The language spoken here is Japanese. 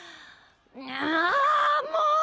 ああもう！